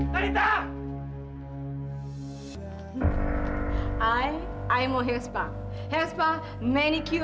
kamu nyapain sayalah